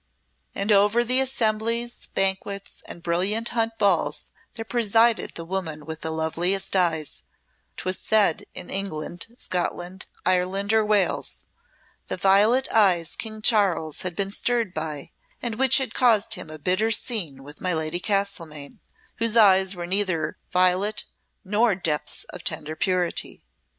And over the assemblies, banquets, and brilliant hunt balls there presided the woman with the loveliest eyes, 'twas said, in England, Scotland, Ireland, or Wales the violet eyes King Charles had been stirred by and which had caused him a bitter scene with my Lady Castlemaine, whose eyes were neither violet nor depths of tender purity.